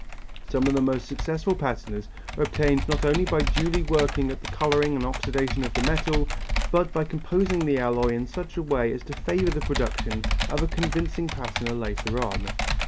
Some of the most successful patinas are obtained not only by duly working at the colouring and oxidation of the metal, but by composing the alloy in such a way as to favour the production of a convincing patina later on.